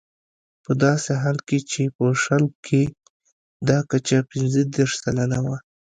په داسې حال کې چې په شل کې دا کچه پنځه دېرش سلنه وه.